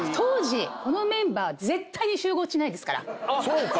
そうか。